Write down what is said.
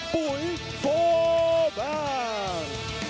ปุ๋ยโฟร์แมน